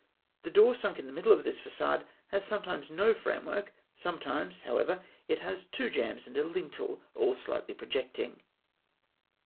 The door, sunk in the middle of this façade, has sometimes no framework; sometimes, however, it has two jambs and a lintel, all slightly projecting.